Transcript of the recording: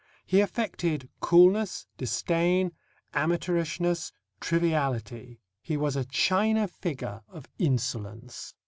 He affected coolness, disdain, amateurishness, triviality. He was a china figure of insolence.